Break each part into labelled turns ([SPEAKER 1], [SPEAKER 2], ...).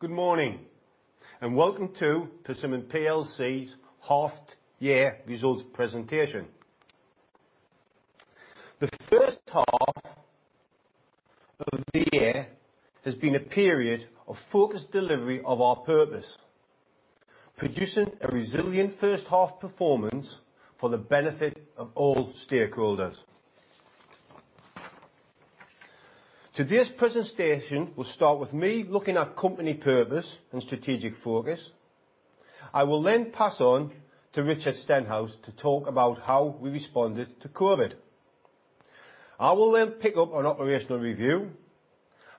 [SPEAKER 1] Good morning, welcome to Persimmon PLC's half year results presentation. The first half of the year has been a period of focused delivery of our purpose. Producing a resilient first half performance for the benefit of all stakeholders. Today's presentation will start with me looking at company purpose and strategic focus. I will pass on to Richard Stenhouse to talk about how we responded to COVID-19. I will pick up on operational review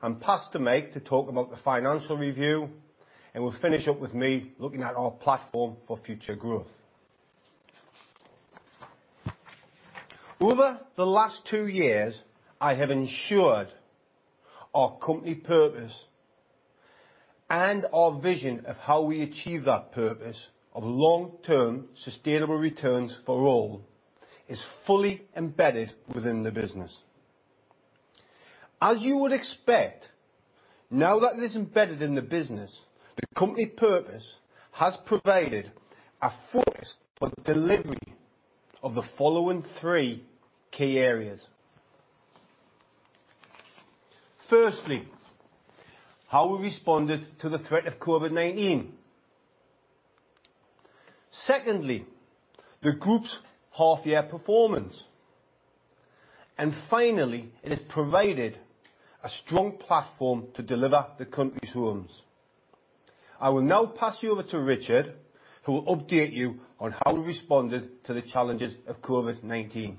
[SPEAKER 1] and pass to Mike to talk about the financial review, we'll finish up with me looking at our platform for future growth. Over the last two years, I have ensured our company purpose and our vision of how we achieve that purpose of long-term sustainable returns for all, is fully embedded within the business. As you would expect, now that it is embedded in the business, the company purpose has provided a focus for delivery of the following three key areas. Firstly, how we responded to the threat of COVID-19. Secondly, the group's half year performance. Finally, it has provided a strong platform to deliver the company's homes. I will now pass you over to Richard, who will update you on how we responded to the challenges of COVID-19.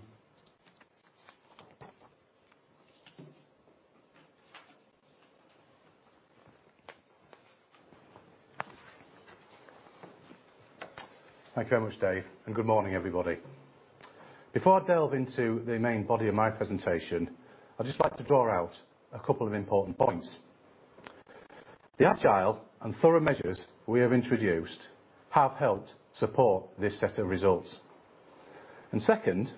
[SPEAKER 2] Thank you very much, Dave, and good morning, everybody. Before I delve into the main body of my presentation, I'd just like to draw out a couple of important points. The agile and thorough measures we have introduced have helped support this set of results. Second,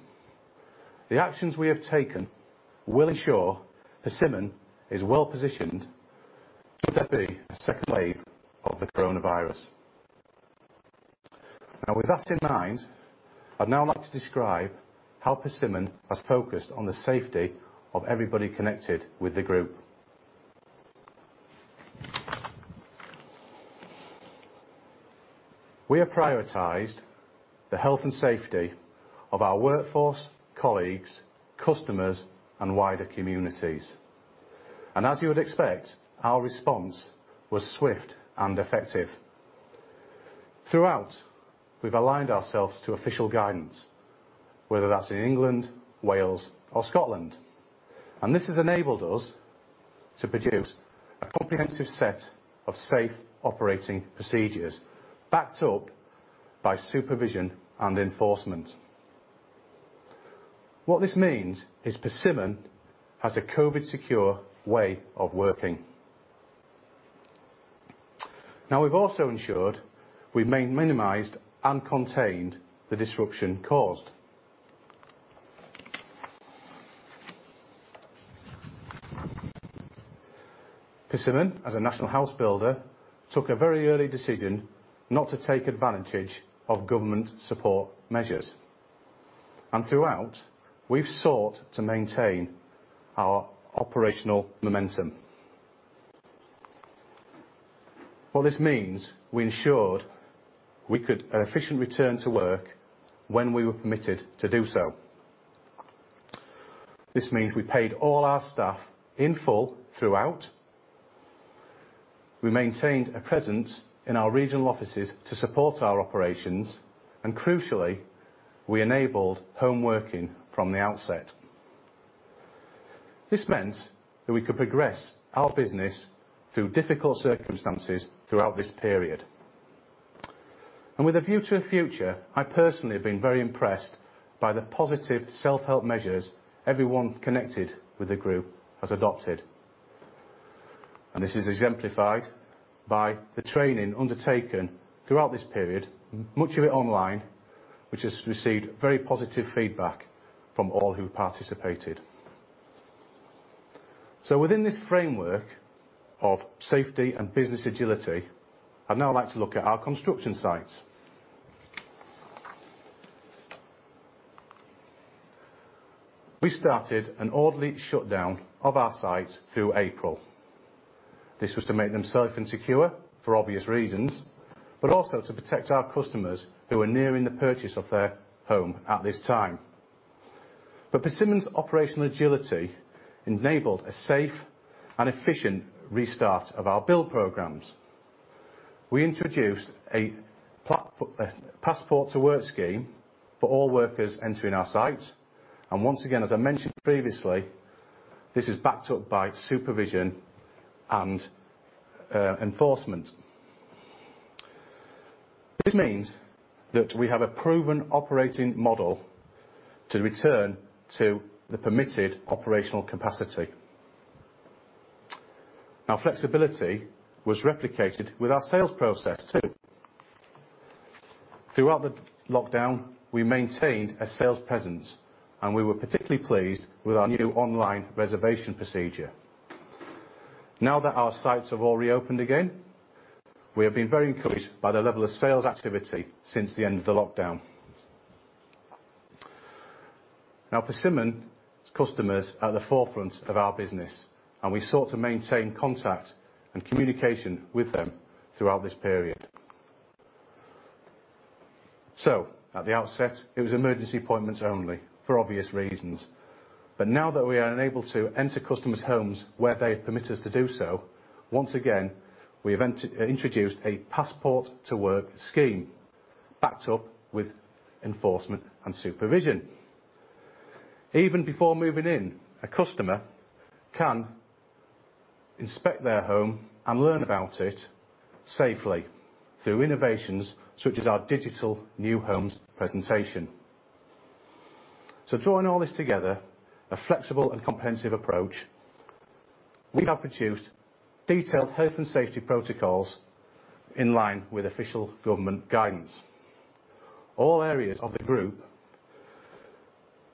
[SPEAKER 2] the actions we have taken will ensure Persimmon is well-positioned should there be a second wave of the coronavirus. With that in mind, I'd now like to describe how Persimmon has focused on the safety of everybody connected with the group. We have prioritized the health and safety of our workforce, colleagues, customers, and wider communities. As you would expect, our response was swift and effective. Throughout, we've aligned ourselves to official guidance, whether that's in England, Wales, or Scotland. This has enabled us to produce a comprehensive set of safe operating procedures, backed up by supervision and enforcement. What this means is Persimmon has a COVID secure way of working. Now, we've also ensured we've minimized and contained the disruption caused. Persimmon, as a national house builder, took a very early decision not to take advantage of government support measures. Throughout, we've sought to maintain our operational momentum. What this means, we ensured we could An efficient return to work when we were permitted to do so. This means we paid all our staff in full throughout, we maintained a presence in our regional offices to support our operations, and crucially, we enabled home working from the outset. This meant that we could progress our business through difficult circumstances throughout this period. With a view to the future, I personally have been very impressed by the positive self-help measures everyone connected with the group has adopted. This is exemplified by the training undertaken throughout this period, much of it online, which has received very positive feedback from all who participated. Within this framework of safety and business agility, I'd now like to look at our construction sites. We started an orderly shutdown of our sites through April. This was to make them safe and secure for obvious reasons, but also to protect our customers who were nearing the purchase of their home at this time. Persimmon's operational agility enabled a safe and efficient restart of our build programs. We introduced a Passport to Work scheme for all workers entering our sites. Once again, as I mentioned previously, this is backed up by supervision and enforcement. This means that we have a proven operating model to return to the permitted operational capacity. Our flexibility was replicated with our sales process too. Throughout the lockdown, we maintained a sales presence, and we were particularly pleased with our new online reservation procedure. That our sites have all reopened again, we have been very encouraged by the level of sales activity since the end of the lockdown. Persimmon's customers are at the forefront of our business, and we sought to maintain contact and communication with them throughout this period. At the outset it was emergency appointments only for obvious reasons. Now that we are unable to enter customers' homes where they have permit us to do so, once again, we have introduced a Passport to Work scheme, backed up with enforcement and supervision. Even before moving in, a customer can inspect their home and learn about it safely through innovations such as our digital new homes presentation. Drawing all this together, a flexible and comprehensive approach, we have produced detailed health and safety protocols in line with official government guidance. All areas of the group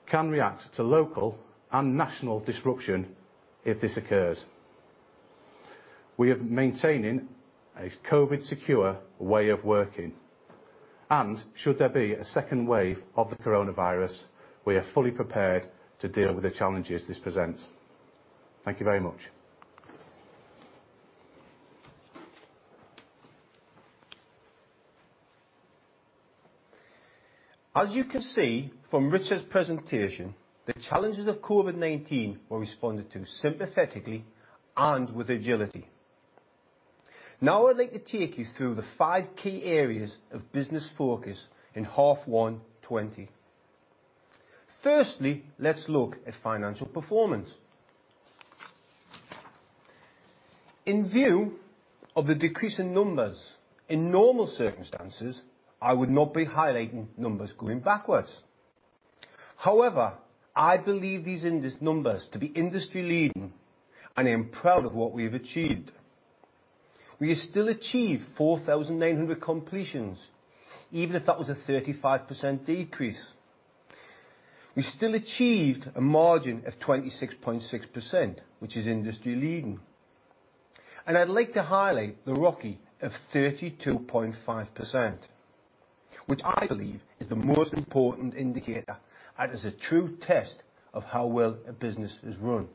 [SPEAKER 2] can react to local and national disruption if this occurs. We are maintaining a COVID secure way of working. Should there be a second wave of the coronavirus, we are fully prepared to deal with the challenges this presents. Thank you very much.
[SPEAKER 1] As you can see from Richard's presentation, the challenges of COVID-19 were responded to sympathetically and with agility. I'd like to take you through the five key areas of business focus in half one 2020. Firstly, let's look at financial performance. In view of the decrease in numbers, in normal circumstances, I would not be highlighting numbers going backwards. However, I believe these numbers to be industry leading, and am proud of what we have achieved. We still achieved 4,900 completions, even if that was a 35% decrease. We still achieved a margin of 26.6%, which is industry leading. I'd like to highlight the ROCE of 32.5%, which I believe is the most important indicator and is a true test of how well a business is run.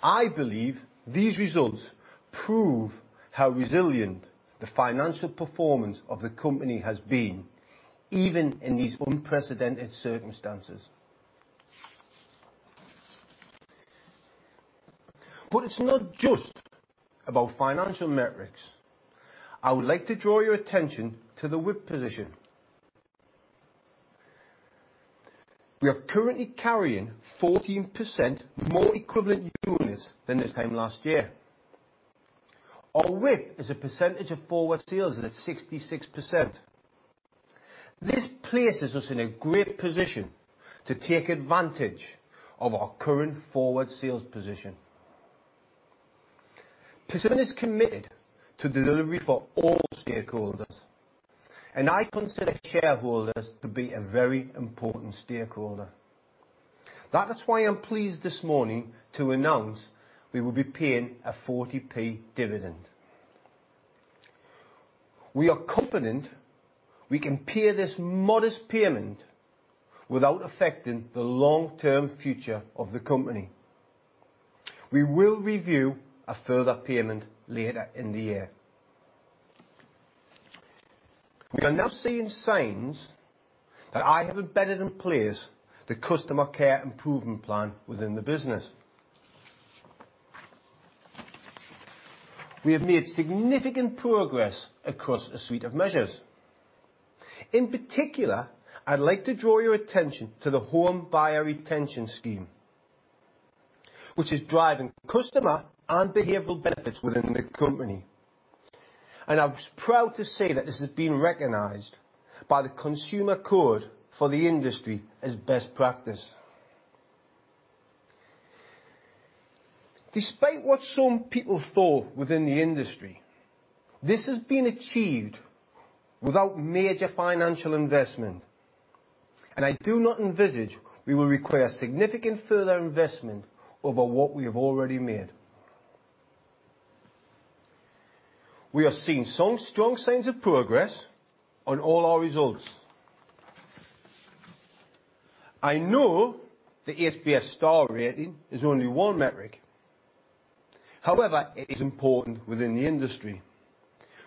[SPEAKER 1] I believe these results prove how resilient the financial performance of the company has been, even in these unprecedented circumstances. It's not just about financial metrics. I would like to draw your attention to the WIP position. We are currently carrying 14% more equivalent units than this time last year. Our WIP as a percentage of forward sales is at 66%. This places us in a great position to take advantage of our current forward sales position. Persimmon is committed to delivery for all stakeholders, and I consider shareholders to be a very important stakeholder. That is why I'm pleased this morning to announce we will be paying a 0.40 dividend. We are confident we can pay this modest payment without affecting the long-term future of the company. We will review a further payment later in the year. We are now seeing signs that I have embedded in place the customer care improvement plan within the business. We have made significant progress across a suite of measures. In particular, I'd like to draw your attention to the Home Buyer Retention Scheme, which is driving customer and behavioral benefits within the company. I was proud to say that this has been recognized by the Consumer Code for the industry as best practice. Despite what some people thought within the industry, this has been achieved without major financial investment, and I do not envisage we will require significant further investment over what we have already made. We are seeing some strong signs of progress on all our results. I know the HBF star rating is only one metric. However, it is important within the industry.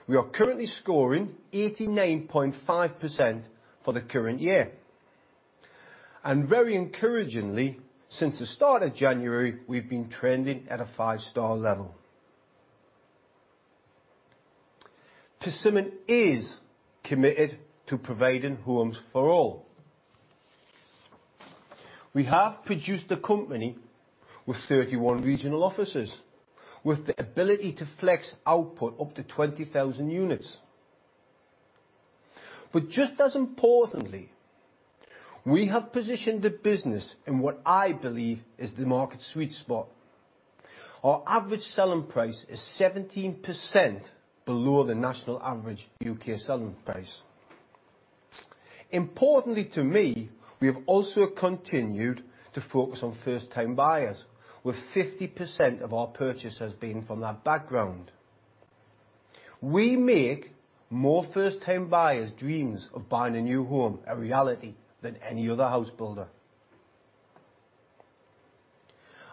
[SPEAKER 1] We are currently scoring 89.5% for the current year. Very encouragingly, since the start of January, we've been trending at a five-star level. Persimmon is committed to providing homes for all. We have produced a company with 31 regional offices with the ability to flex output up to 20,000 units. Just as importantly, we have positioned the business in what I believe is the market sweet spot. Our average selling price is 17% below the national average U.K. selling price. Importantly to me, we have also continued to focus on first-time buyers, with 50% of our purchases being from that background. We make more first-time buyers dreams of buying a new home a reality than any other house builder.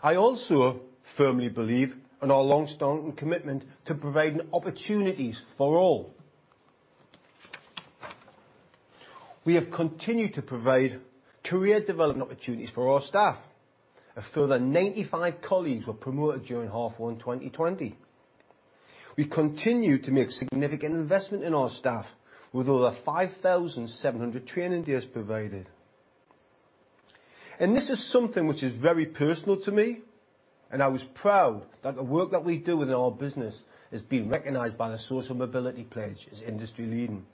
[SPEAKER 1] I also firmly believe in our long-standing commitment to providing opportunities for all. We have continued to provide career development opportunities for our staff. A further 95 colleagues were promoted during half one 2020. We continue to make significant investment in our staff, with over 5,700 training days provided. This is something which is very personal to me, and I was proud that the work that we do within our business is being recognized by the Social Mobility Pledge as industry leading.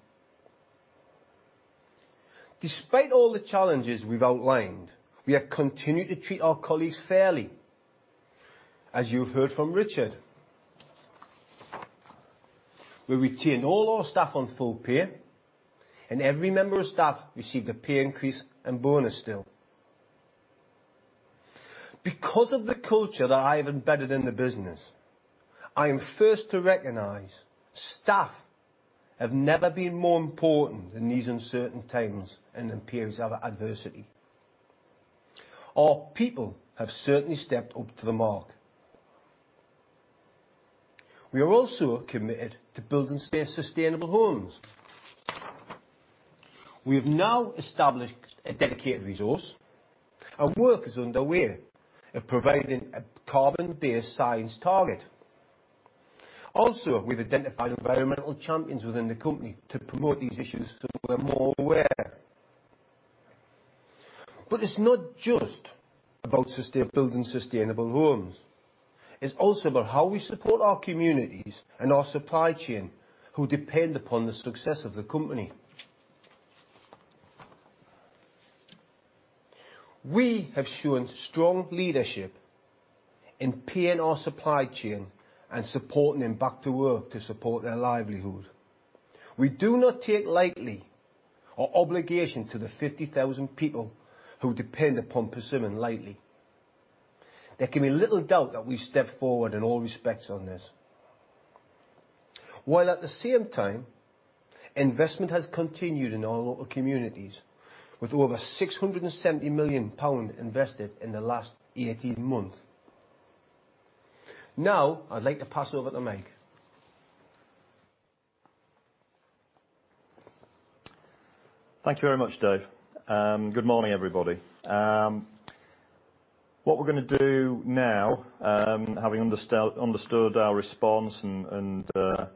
[SPEAKER 1] Despite all the challenges we've outlined, we have continued to treat our colleagues fairly. As you heard from Richard, we retain all our staff on full pay, and every member of staff received a pay increase and bonus still. Because of the culture that I have embedded in the business, I am first to recognize staff have never been more important than these uncertain times and in periods of adversity. Our people have certainly stepped up to the mark. We are also committed to building sustainable homes. We have now established a dedicated resource, and work is underway of providing a carbon-based science target. We've identified environmental champions within the company to promote these issues so we're more aware. It's not just about building sustainable homes. It's also about how we support our communities and our supply chain, who depend upon the success of the company. We have shown strong leadership in paying our supply chain and supporting them back to work to support their livelihood. We do not take lightly our obligation to the 50,000 people who depend upon Persimmon lightly. There can be little doubt that we've stepped forward in all respects on this. While at the same time, investment has continued in our local communities with over 670 million pound invested in the last 18 months. I'd like to pass over to Mike.
[SPEAKER 3] Thank you very much, Dave. Good morning, everybody. What we're going to do now, having understood our response and the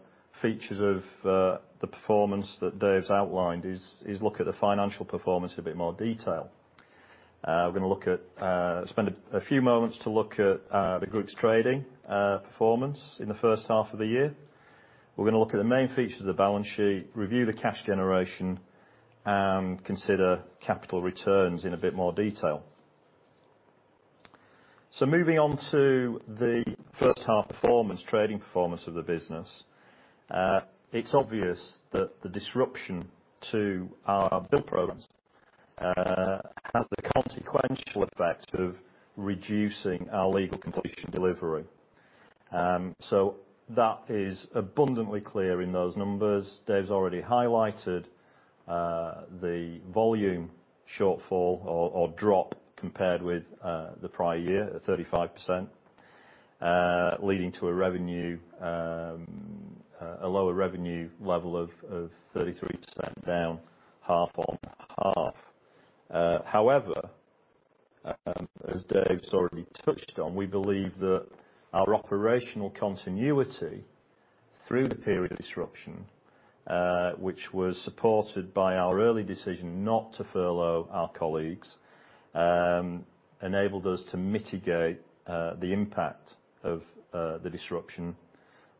[SPEAKER 3] features of the performance that Dave's outlined, is look at the financial performance in a bit more detail. We're going to spend a few moments to look at the group's trading performance in the first half of the year. We're going to look at the main features of the balance sheet, review the cash generation, and consider capital returns in a bit more detail. Moving on to the first half performance, trading performance of the business. It's obvious that the disruption to our build programs had the consequential effect of reducing our legal completion delivery. That is abundantly clear in those numbers. Dave's already highlighted the volume shortfall or drop compared with the prior year at 35%, leading to a lower revenue level of 33% down half on half. However, as Dave's already touched on, we believe that our operational continuity through the period of disruption, which was supported by our early decision not to furlough our colleagues, enabled us to mitigate the impact of the disruption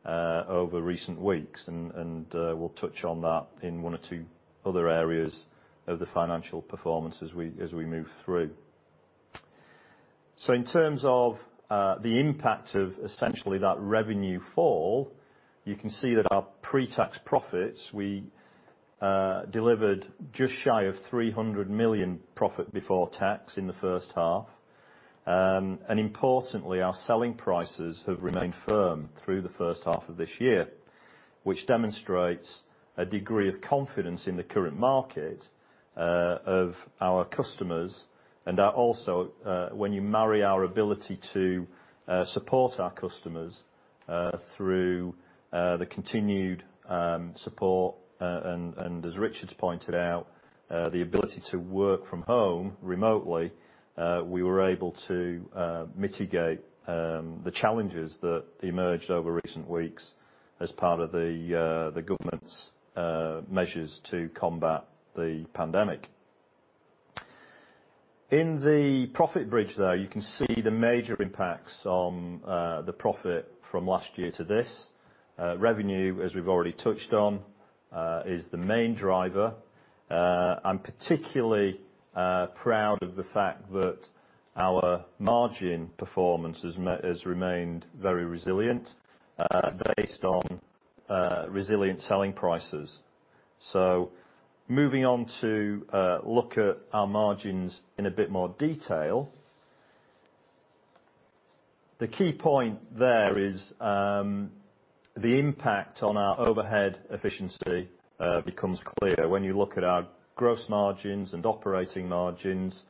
[SPEAKER 3] over recent weeks, and we'll touch on that in one or two other areas of the financial performance as we move through. In terms of the impact of essentially that revenue fall, you can see that our pre-tax profits, we delivered just shy of 300 million profit before tax in the first half. Importantly, our selling prices have remained firm through the first half of this year, which demonstrates a degree of confidence in the current market of our customers. That also, when you marry our ability to support our customers through the continued support, and as Richard's pointed out, the ability to work from home remotely, we were able to mitigate the challenges that emerged over recent weeks as part of the government's measures to combat the pandemic. In the profit bridge there, you can see the major impacts on the profit from last year to this. Revenue, as we've already touched on, is the main driver. I'm particularly proud of the fact that our margin performance has remained very resilient based on resilient selling prices. Moving on to look at our margins in a bit more detail. The key point there is the impact on our overhead efficiency becomes clear when you look at our gross margins and operating margins.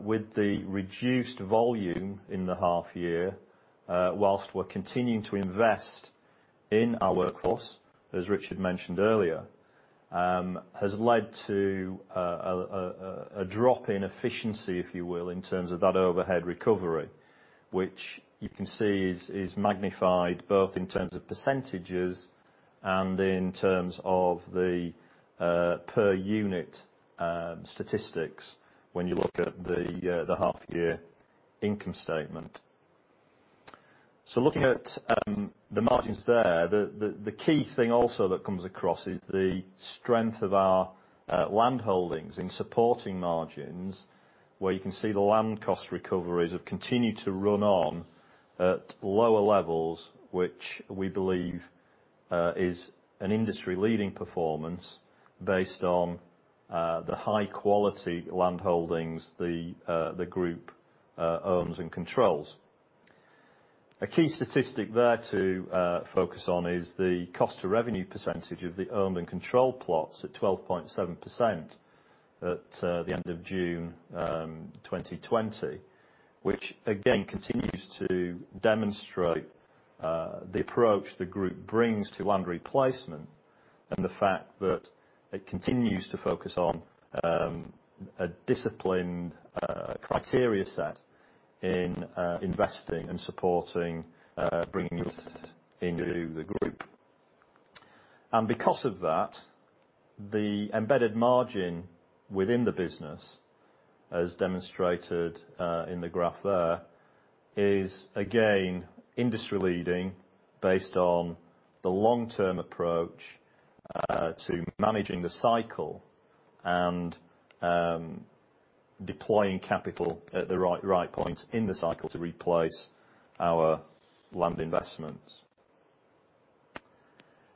[SPEAKER 3] With the reduced volume in the half year, whilst we're continuing to invest in our workforce, as Richard mentioned earlier, has led to a drop in efficiency, if you will, in terms of that overhead recovery, which you can see is magnified both in terms of percentages and in terms of the per unit statistics when you look at the half year income statement. Looking at the margins there, the key thing also that comes across is the strength of our land holdings in supporting margins, where you can see the land cost recoveries have continued to run on at lower levels, which we believe is an industry-leading performance based on the high quality land holdings the Group owns and controls. A key statistic there to focus on is the cost to revenue percentage of the owned and controlled plots at 12.7% at the end of June 2020, which again continues to demonstrate the approach the group brings to land replacement and the fact that it continues to focus on a disciplined criteria set in investing and supporting bringing into the group. Because of that, the embedded margin within the business, as demonstrated in the graph there, is again industry leading based on the long term approach to managing the cycle and deploying capital at the right point in the cycle to replace our land investments.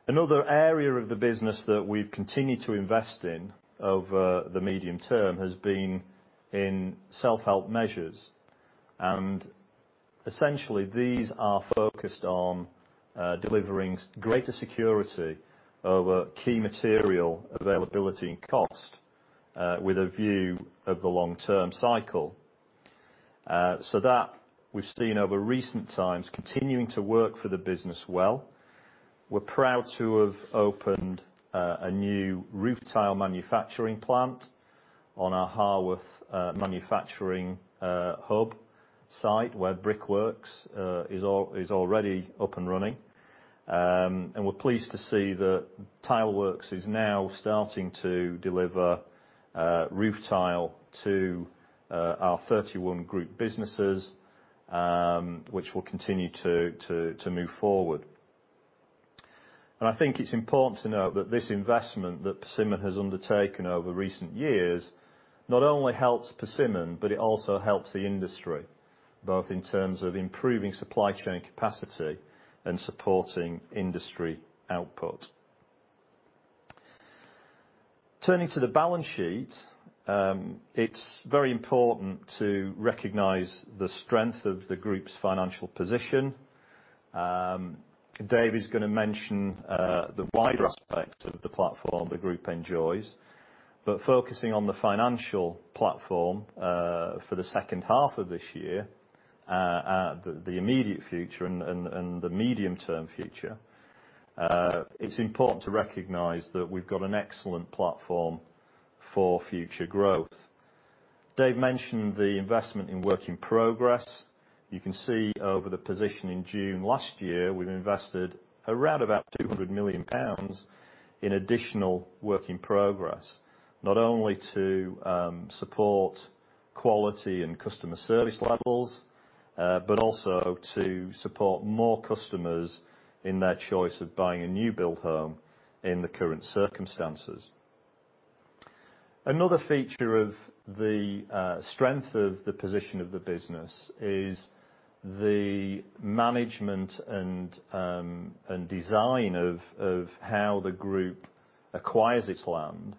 [SPEAKER 3] Another area of the business that we've continued to invest in over the medium term has been in self-help measures. Essentially these are focused on delivering greater security over key material availability and cost with a view of the long term cycle. That we've seen over recent times continuing to work for the business well. We're proud to have opened a new roof tile manufacturing plant on our Harworth manufacturing hub site where Brickworks is already up and running. We're pleased to see that Tileworks is now starting to deliver roof tile to our 31 group businesses, which will continue to move forward. I think it's important to note that this investment that Persimmon has undertaken over recent years not only helps Persimmon, but it also helps the industry, both in terms of improving supply chain capacity and supporting industry output. Turning to the balance sheet, it's very important to recognize the strength of the group's financial position. Dave is going to mention the wider aspects of the platform the group enjoys. Focusing on the financial platform for the second half of this year, the immediate future and the medium term future, it's important to recognize that we've got an excellent platform for future growth. Dave mentioned the investment in work in progress. You can see over the position in June last year, we've invested around about 200 million pounds in additional work in progress, not only to support quality and customer service levels, but also to support more customers in their choice of buying a new build home in the current circumstances. Another feature of the strength of the position of the business is the management and design of how the group acquires its land,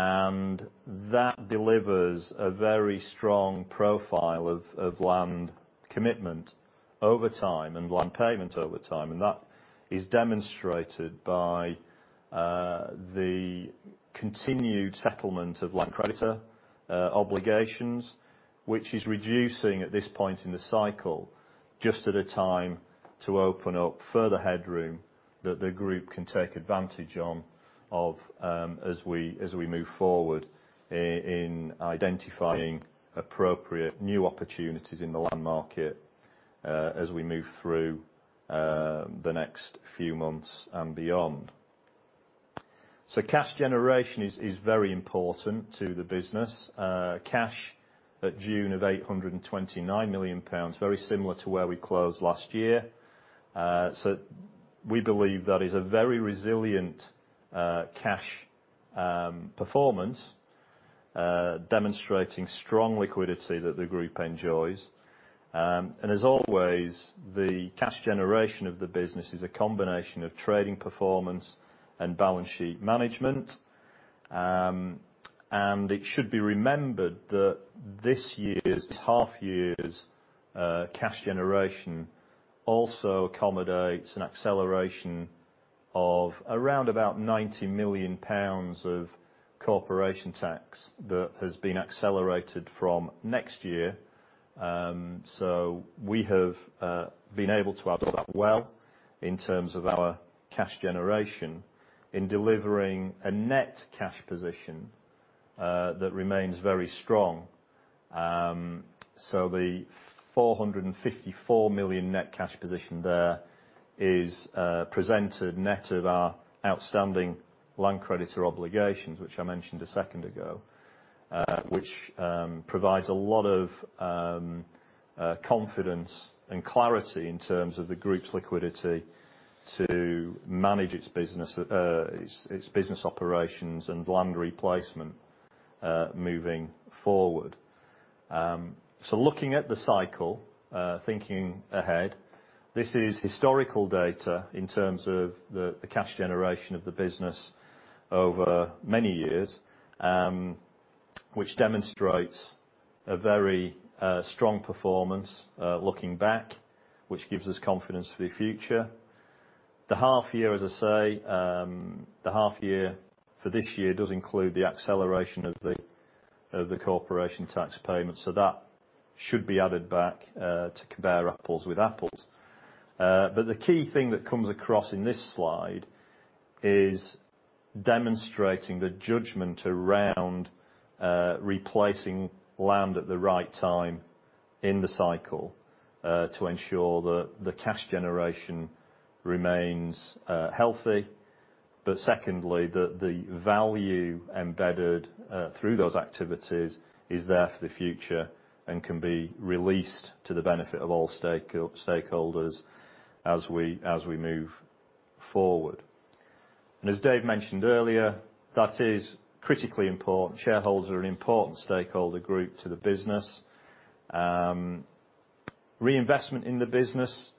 [SPEAKER 3] and that delivers a very strong profile of land commitment over time and land payment over time. That is demonstrated by the continued settlement of land creditor obligations, which is reducing at this point in the cycle, just at a time to open up further headroom that the group can take advantage on of as we move forward in identifying appropriate new opportunities in the land market as we move through the next few months and beyond. Cash generation is very important to the business. Cash at June of 829 million pounds, very similar to where we closed last year. We believe that is a very resilient cash performance, demonstrating strong liquidity that the group enjoys. As always, the cash generation of the business is a combination of trading performance and balance sheet management. It should be remembered that this year's half year's cash generation also accommodates an acceleration of around about 90 million pounds of corporation tax that has been accelerated from next year. We have been able to add to that well in terms of our cash generation in delivering a net cash position that remains very strong. The 454 million net cash position there is presented net of our outstanding land creditor obligations, which I mentioned a second ago, which provides a lot of confidence and clarity in terms of the group's liquidity to manage its business operations and land replacement moving forward. Looking at the cycle, thinking ahead, this is historical data in terms of the cash generation of the business over many years which demonstrates a very strong performance, looking back, which gives us confidence for the future. The half year, as I say, the half year for this year does include the acceleration of the corporation tax payment, that should be added back to compare apples with apples. The key thing that comes across in this slide is demonstrating the judgment around replacing land at the right time in the cycle, to ensure that the cash generation remains healthy. Secondly, that the value embedded through those activities is there for the future and can be released to the benefit of all stakeholders as we move forward. As Dave mentioned earlier, that is critically important. Shareholders are an important stakeholder group to the business. Reinvestment in the business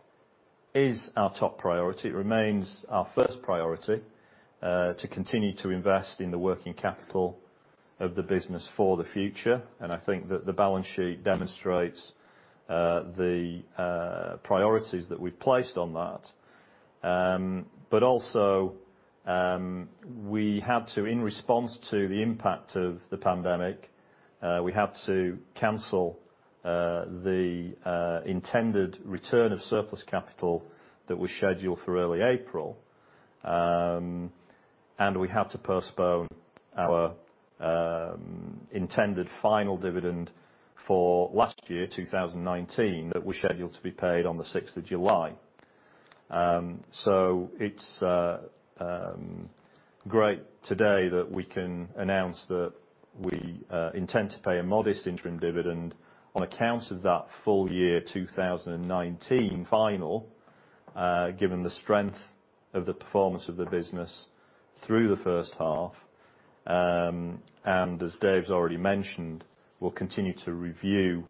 [SPEAKER 3] is our top priority. It remains our first priority to continue to invest in the working capital of the business for the future. I think that the balance sheet demonstrates the priorities that we've placed on that. Also, we had to, in response to the impact of the pandemic, we had to cancel the intended return of surplus capital that was scheduled for early April. We had to postpone our intended final dividend for last year, 2019, that was scheduled to be paid on the July 6th. It's great today that we can announce that we intend to pay a modest interim dividend on account of that full year 2019 final, given the strength of the performance of the business through the first half. As Dave's already mentioned, we'll continue to review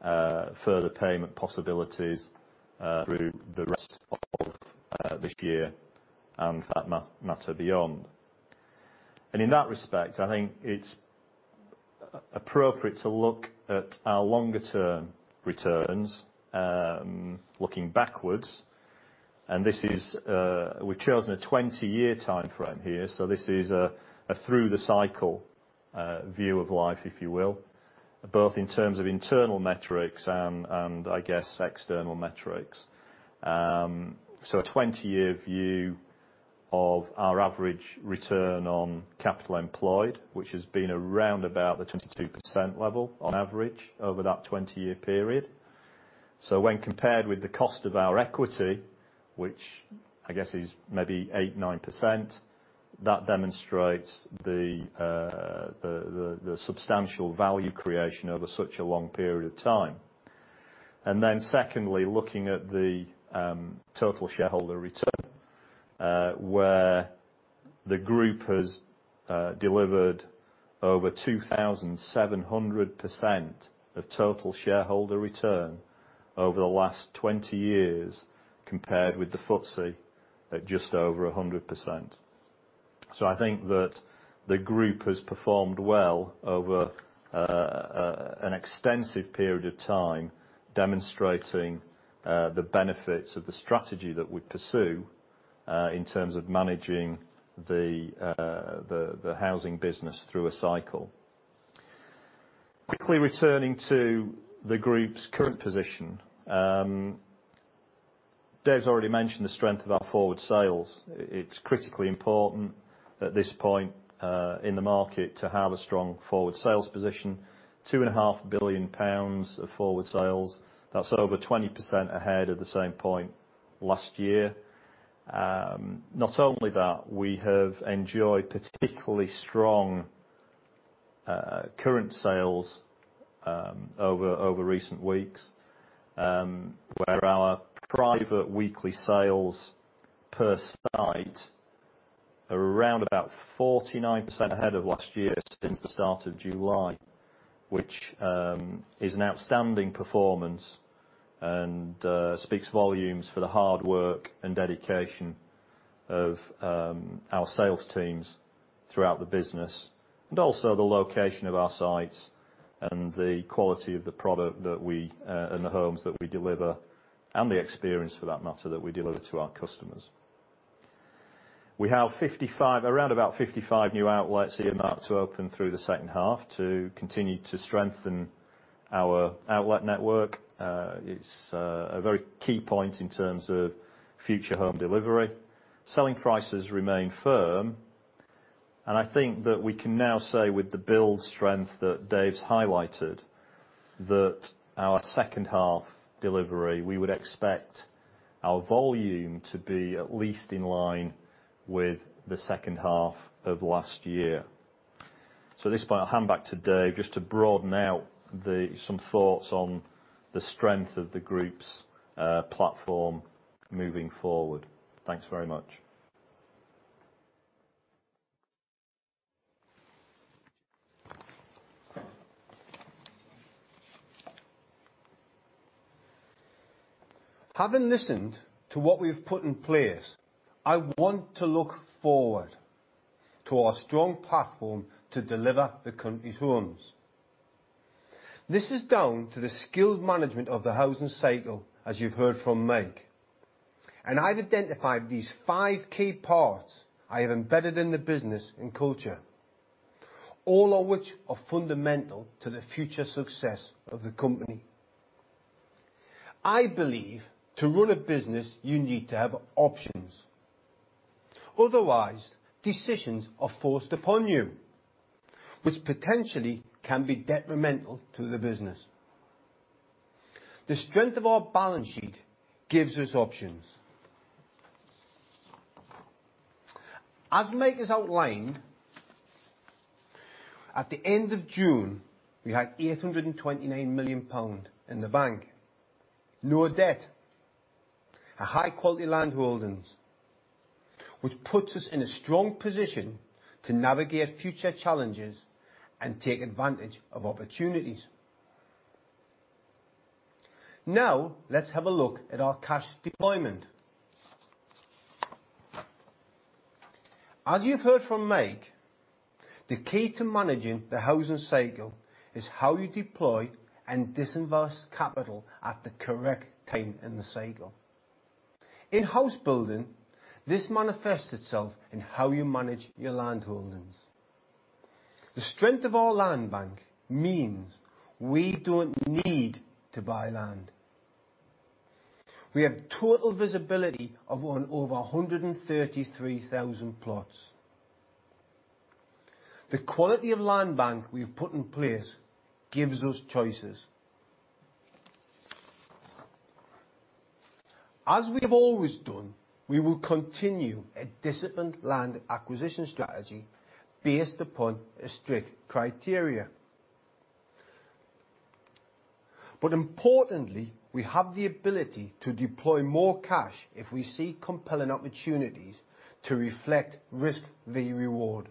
[SPEAKER 3] further payment possibilities through the rest of this year and that matter beyond. In that respect, I think it's appropriate to look at our longer term returns, looking backwards. We've chosen a 20-year time frame here. This is a through the cycle view of life, if you will, both in terms of internal metrics and I guess external metrics. A 20-year view of our average return on capital employed, which has been around about the 22% level on average over that 20-year period. When compared with the cost of our equity, which I guess is maybe 8%-9%, that demonstrates the substantial value creation over such a long period of time. Secondly, looking at the total shareholder return, where the group has delivered over 2,700% of total shareholder return over the last 20 years compared with the FTSE at just over 100%. I think that the group has performed well over an extensive period of time, demonstrating the benefits of the strategy that we pursue, in terms of managing the housing business through a cycle. Quickly returning to the group's current position. Dave's already mentioned the strength of our forward sales. It's critically important at this point in the market to have a strong forward sales position. 2.5 billion pounds of forward sales. That's over 20% ahead of the same point last year. Not only that, we have enjoyed particularly strong current sales over recent weeks, where our private weekly sales per site are around about 49% ahead of last year since the start of July, which is an outstanding performance and speaks volumes for the hard work and dedication of our sales teams throughout the business, and also the location of our sites and the quality of the product and the homes that we deliver, and the experience, for that matter, that we deliver to our customers. We have around about 55 new outlets earmarked to open through the second half to continue to strengthen our outlet network. It's a very key point in terms of future home delivery. Selling prices remain firm. I think that we can now say with the build strength that Dave's highlighted, that our second-half delivery, we would expect our volume to be at least in line with the second half of last year. At this point, I'll hand back to Dave just to broaden out some thoughts on the strength of the group's platform moving forward. Thanks very much.
[SPEAKER 1] Having listened to what we've put in place, I want to look forward to our strong platform to deliver the country's homes. This is down to the skilled management of the housing cycle, as you heard from Mike. I've identified these five key parts I have embedded in the business and culture, all of which are fundamental to the future success of the company. I believe to run a business, you need to have options. Otherwise, decisions are forced upon you, which potentially can be detrimental to the business. The strength of our balance sheet gives us options. As Mike has outlined, at the end of June, we had 829 million pound in the bank, no debt, a high-quality land holdings, which puts us in a strong position to navigate future challenges and take advantage of opportunities. Let's have a look at our cash deployment. As you've heard from Mike, the key to managing the housing cycle is how you deploy and disinvest capital at the correct time in the cycle. In house building, this manifests itself in how you manage your land holdings. The strength of our land bank means we don't need to buy land. We have total visibility of over 133,000 plots. The quality of land bank we've put in place gives us choices. As we have always done, we will continue a disciplined land acquisition strategy based upon a strict criteria. Importantly, we have the ability to deploy more cash if we see compelling opportunities to reflect risk v. reward.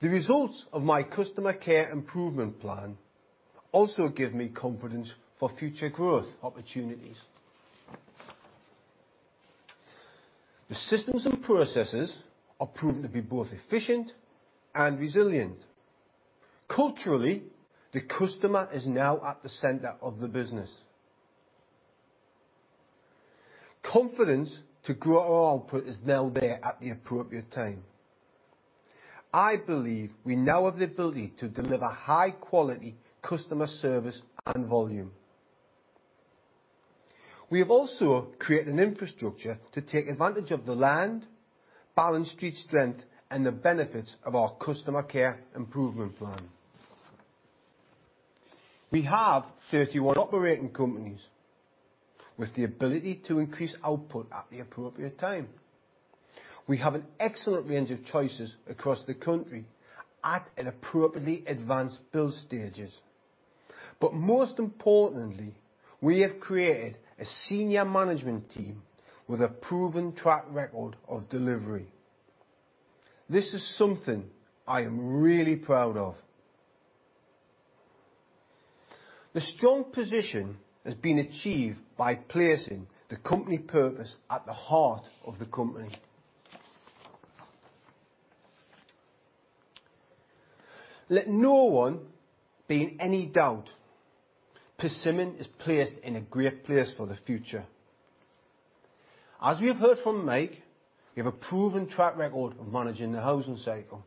[SPEAKER 1] The results of my customer care improvement plan also give me confidence for future growth opportunities. The systems and processes are proven to be both efficient and resilient. Culturally, the customer is now at the center of the business. Confidence to grow our output is now there at the appropriate time. I believe we now have the ability to deliver high-quality customer service and volume. We have also created an infrastructure to take advantage of the land, balance sheet strength, and the benefits of our customer care improvement plan. We have 31 operating companies with the ability to increase output at the appropriate time. We have an excellent range of choices across the country at appropriately advanced build stages. Most importantly, we have created a senior management team with a proven track record of delivery. This is something I am really proud of. The strong position has been achieved by placing the company purpose at the heart of the company. Let no one be in any doubt, Persimmon is placed in a great place for the future. As we have heard from Mike, we have a proven track record of managing the housing cycle.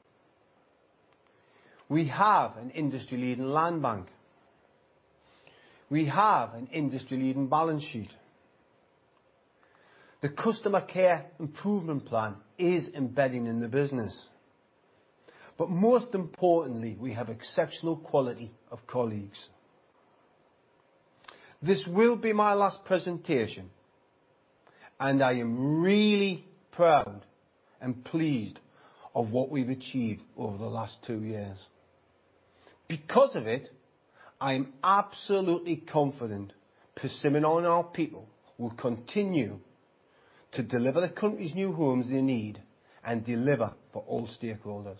[SPEAKER 1] We have an industry-leading land bank. We have an industry-leading balance sheet. The customer care improvement plan is embedding in the business. Most importantly, we have exceptional quality of colleagues. This will be my last presentation, and I am really proud and pleased of what we've achieved over the last two years. Because of it, I am absolutely confident Persimmon and our people will continue to deliver the country's new homes they need and deliver for all stakeholders.